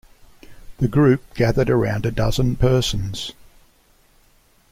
The group gathered around a dozen persons.